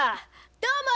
どうも！